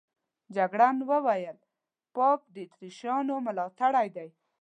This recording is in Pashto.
جګړن وویل پاپ د اتریشیانو ملاتړی دی.